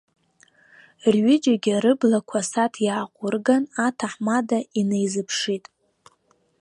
Рҩыџьегьы рыблақәа асааҭ иааҟәырган аҭаҳмада инаизыԥшит.